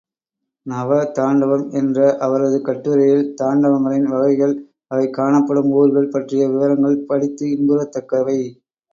நவ தாண்டவம் என்ற அவரது கட்டுரையில் தாண்டவங்களின் வகைகள், அவை காணப்படும் ஊர்கள் பற்றிய விவரங்கள் படித்து இன்புறத்தக்கவை.